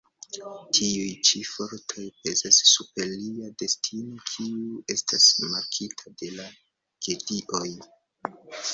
Tiuj ĉi fortoj pezas super lia destino, kiu estas markita de la gedioj.